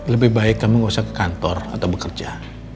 lebih baik kamu nggak usah ke kantor atau bekerja